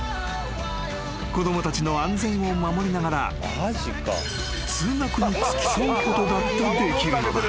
［子供たちの安全を守りながら通学に付き添うことだってできるのだ］